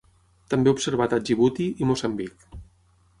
També observat a Djibouti i Moçambic.